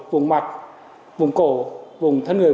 vùng mặt vùng cổ vùng thân người